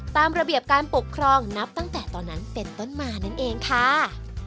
ตามระเบียบการปกครองนับตั้งแต่ตอนนั้นเป็นต้นมานั่นเองค่ะ